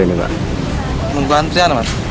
nunggu antrian pak